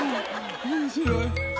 面白い。